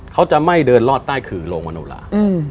เขาจะไม่เดินรอดใต้ขื่อโรงมโนลา